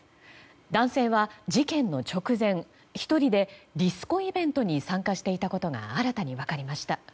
男性は、事件の直前１人でディスコイベントに参加していたことが新たに分かりました。